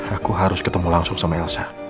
aku harus ketemu langsung sama elsa